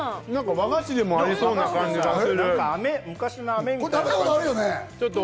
和菓子でもありそうな感じがする。